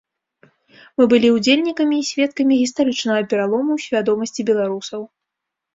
Мы былі ўдзельнікамі і сведкамі гістарычнага пералому ў свядомасці беларусаў.